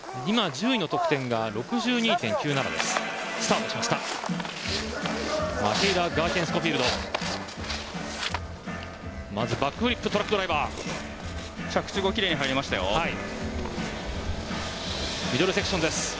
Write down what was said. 今、１０位の得点が６２．９７です。